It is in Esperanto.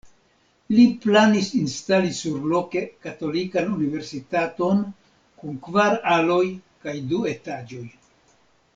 Li planis instali surloke katolikan universitaton kun kvar aloj kaj du etaĝoj.